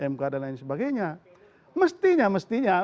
mkd dan lain sebagainya mestinya